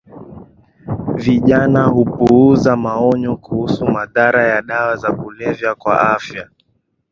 vijana hupuuza maonyo kuhusu madhara ya dawa za kulevya kwa afya